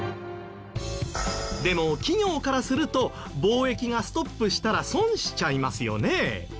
でも企業からすると貿易がストップしたら損しちゃいますよね？